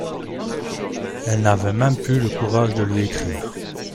Elle n'avait même plus le courage de lui écrire.